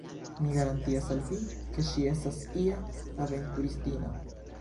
Mi garantias al vi, ke ŝi estas ia aventuristino!